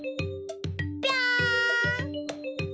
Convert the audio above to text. ぴょん！